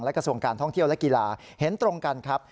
กระทรวงการท่องเที่ยวและกีฬาเห็นตรงกันครับ